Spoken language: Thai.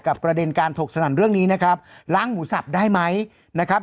ประเด็นการถกสนันเรื่องนี้นะครับล้างหมูสับได้ไหมนะครับ